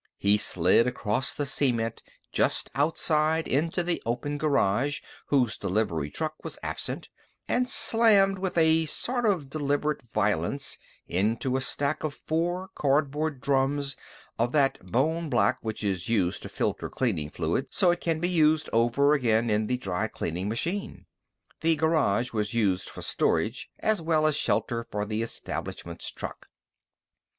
He slid across the cement just outside, into the open garage whose delivery truck was absent, and slammed with a sort of deliberate violence into a stack of four cardboard drums of that bone black which is used to filter cleaning fluid so it can be used over again in the dry cleaning machine. The garage was used for storage as well as shelter for the establishment's truck.